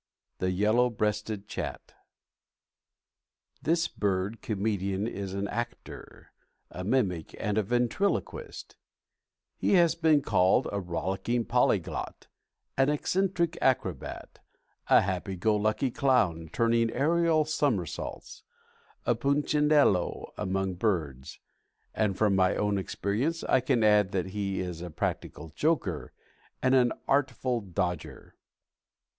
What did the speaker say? (THE YELLOW BREASTED CHAT.) This bird comedian is an actor, a mimic, and a ventriloquist; he has been called "a rollicking polygot," "an eccentric acrobat," "a happy go lucky clown, turning aerial somersaults," "a Punchinello among birds," and from my own experience I can add that he is a practical joker and "an artful dodger."